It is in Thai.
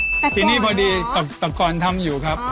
แต่ก่อนเหรอทีนี้พอดีแต่ก่อนทำอยู่ครับ